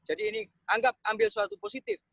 jadi ini anggap ambil suatu positif